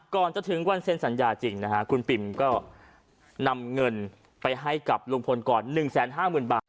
ก่อนจะถึงวันเซ็นสัญญาจริงนะฮะคุณปิมก็นำเงินไปให้กับลุงพลก่อน๑๕๐๐๐บาท